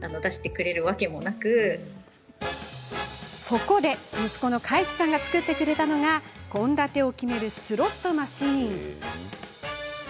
そこで息子の開馳さんが作ってくれたのが献立を決めるスロットマシン。